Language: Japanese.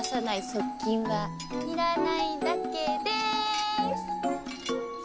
側近はいらないだけでーす！